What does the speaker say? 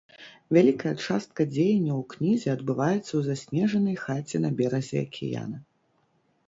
Вялікая частка дзеянняў у кнізе адбываецца ў заснежанай хаце на беразе акіяна.